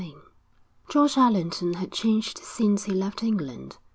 XI George Allerton had changed since he left England.